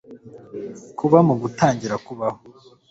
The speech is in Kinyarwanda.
kuba, mu gutangira kubaho